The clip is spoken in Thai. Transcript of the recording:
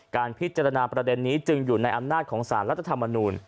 การพิจารณาประเด็นนี้จึงอยู่ในอำนาจของสารรัฐธรรมนูล